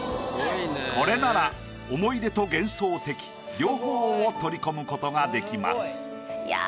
これなら思い出と幻想的両方を取り込むことができます。